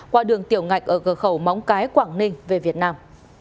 qua đường tiểu ngạch ở cửa khẩu móng cái quảng ninh về việt nam